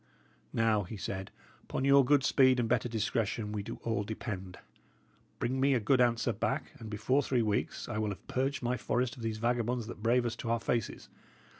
"Now," he said, "upon your good speed and better discretion we do all depend. Bring me a good answer back, and before three weeks, I will have purged my forest of these vagabonds that brave us to our faces.